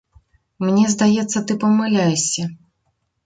Мне здаецца, ты памыляешся.